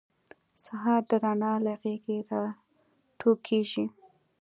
سهار د رڼا له غیږې راټوکېږي.